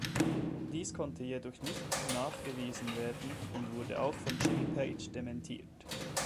Dies konnte jedoch nicht nachgewiesen werden und wurde auch von Jimmy Page dementiert.